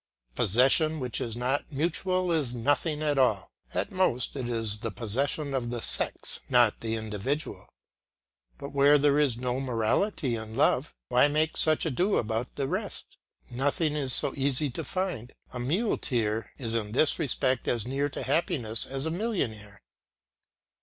Possession which is not mutual is nothing at all; at most it is the possession of the sex not of the individual. But where there is no morality in love, why make such ado about the rest? Nothing is so easy to find. A muleteer is in this respect as near to happiness as a millionaire.